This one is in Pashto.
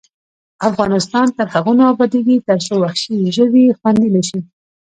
افغانستان تر هغو نه ابادیږي، ترڅو وحشي ژوي خوندي نشي.